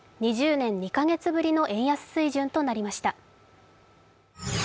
２０年２カ月ぶりの円安水準となりました。